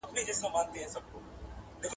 له غړومبي د تندر ټوله وېرېدله .